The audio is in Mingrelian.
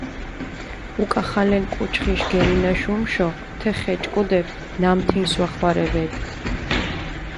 უკახალენ კუჩხიშ გერინაშ უმშო თე ხეჭკუდეფი ნამთინს ვახვარებედჷ.